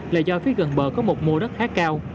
là do phía gần bờ có một mô đất khá cao